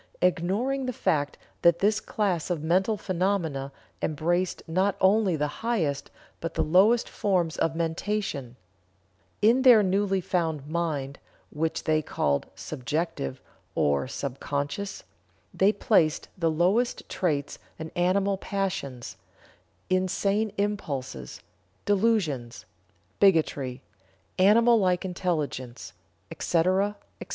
ignoring the fact that this class of mental phenomena embraced not only the highest but the lowest forms of mentation In their newly found "mind" (which they called "subjective" or "sub conscious"), they placed the lowest traits and animal passions; insane impulses; delusions; bigotry; animal like intelligence, etc., etc.